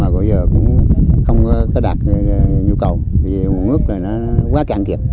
cũng không có đạt nhu cầu vì nguồn nước là nó quá cạn kiệp